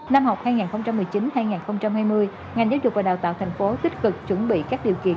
năm học hai nghìn một mươi chín hai nghìn hai mươi ngành giáo dục và đào tạo thành phố tích cực chuẩn bị các điều kiện